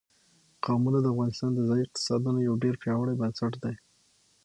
قومونه د افغانستان د ځایي اقتصادونو یو ډېر پیاوړی بنسټ دی.